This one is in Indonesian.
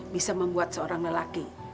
bisa membuat seorang lelaki